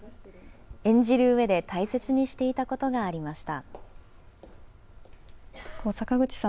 演じるうえで大切にしていたことがありました。